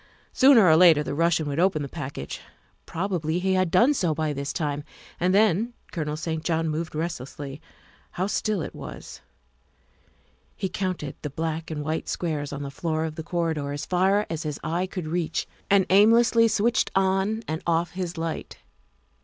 Sooner or later the Russian would open the package. Probably he had done so by this time, and then THE SECRETARY OF STATE 273 Colonel St. John moved restlessly. How still it was. He counted the black and white squares on the floor of the corridor as far as his eye could reach, and aimlessly switched on and off his light.